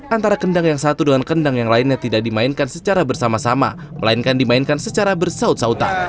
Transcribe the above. antara kendang yang satu dengan kendang yang lainnya tidak dimainkan secara bersama sama melainkan dimainkan secara bersaut sautan